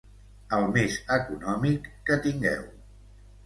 El més econòmic que tingueu.